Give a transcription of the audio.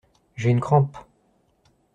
J'ai une crampe.